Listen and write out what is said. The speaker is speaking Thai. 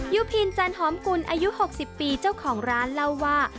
ยุพินจันหอมกุลอายุ๖๐ปีเจ้าของร้านเล่าว่า